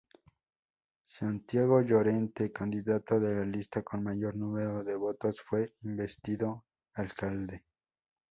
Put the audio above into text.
Santiago Llorente, candidato de la lista con mayor número de votos, fue investido alcalde.